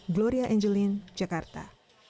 gloria angelin jakarta